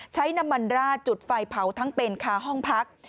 ใช้น้ำมันราดจุดไฟเผาทั้งเป็นคาห้องพัก